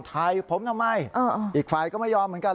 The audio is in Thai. ถ่ายผมทำไมอีกฝ่ายก็ไม่ยอมเหมือนกัน